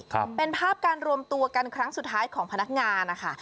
ครับเป็นภาพการรวมตัวกันครั้งสุดท้ายของพนักงานนะคะ